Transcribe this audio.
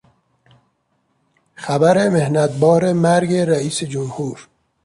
خبر محنتبار مرگ رئیس جمهور